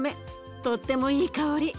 とってもいい香り。